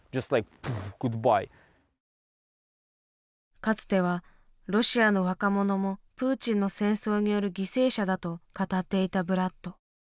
かつては「ロシアの若者もプーチンの戦争による犠牲者だ」と語っていたブラッド。